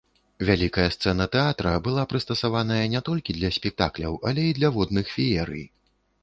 Вялікая сцэна тэатра была прыстасаваная ня толькі для спектакляў, але і для водных феерый.